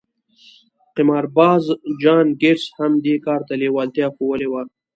قمارباز جان ګيټس هم دې کار ته لېوالتيا ښوولې وه.